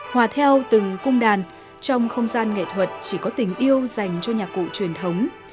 hòa theo từng cung đàn trong không gian nghệ thuật chỉ có tình yêu dành cho nhạc cụ truyền thống